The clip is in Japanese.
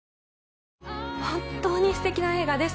本当にステキな映画です。